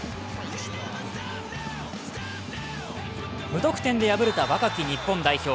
無得点で敗れた若き日本代表。